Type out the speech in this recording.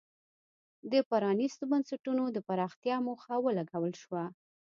د پرانیستو بنسټونو د پراختیا موخه ولګول شوه.